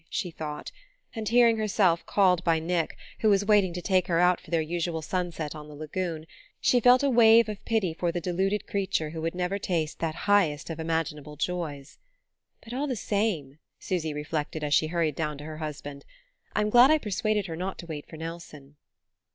she thought; and hearing herself called by Nick, who was waiting to take her out for their usual sunset on the lagoon, she felt a wave of pity for the deluded creature who would never taste that highest of imaginable joys. "But all the same," Susy reflected, as she hurried down to her husband, "I'm glad I persuaded her not to wait for Nelson."